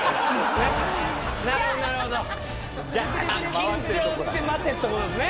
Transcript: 緊張して待てって事ですね。